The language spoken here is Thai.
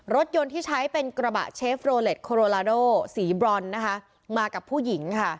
รถยนต์ที่ใช้เป็นกระบะเชฟโรเล็ตโคโรลาโดสีบรอนนะคะมากับผู้หญิงค่ะ